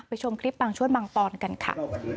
ชมคลิปบางช่วงบางตอนกันค่ะ